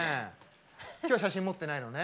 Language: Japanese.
きょうは写真持ってないのね。